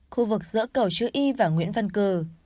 khu vực giữa cầu chữ y và nguyễn văn cử